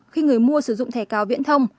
khi người mua sử dụng thẻ cao viễn thông